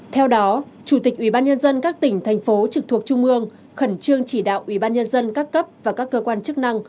theo đó chủ tịch ủy ban nhân dân các tỉnh thành phố trực thuộc trung ương khẩn trương chỉ đạo ủy ban nhân dân các cấp và các cơ quan chức năng